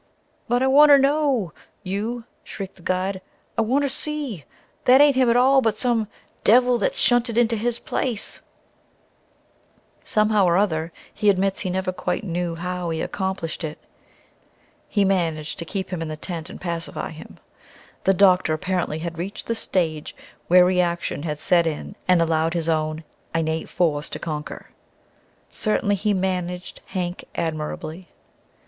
"But I want ter know, you!" shrieked the guide. "I want ter see! That ain't him at all, but some devil that's shunted into his place ...!" Somehow or other he admits he never quite knew how he accomplished it he managed to keep him in the tent and pacify him. The doctor, apparently, had reached the stage where reaction had set in and allowed his own innate force to conquer. Certainly he "managed" Hank admirably.